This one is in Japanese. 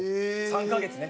３カ月ね。